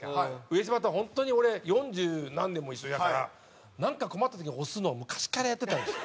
上島とはホントに俺四十何年も一緒にいたからなんか困った時に押すのは昔からやってたんです。